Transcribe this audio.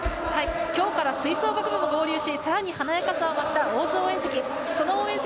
今日から吹奏楽部も合流し、さらに華やかさを増した大津応援席。